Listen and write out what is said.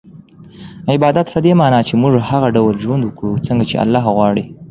عبادت په دې مانا چي موږ هغه ډول ژوند وکړو څنګه چي الله غواړي